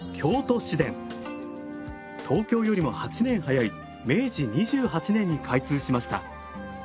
東京よりも８年早い明治２８年に開通しました。